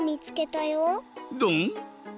ドン？